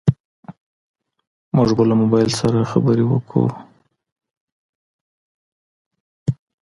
موږ به له موبايل سره خبرې کوو.